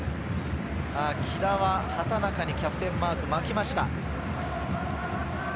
喜田は畠中にキャプテンマークを巻きました。